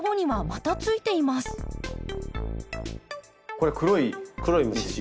これ黒い虫。